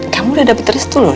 kamu udah dapet terus tuh loh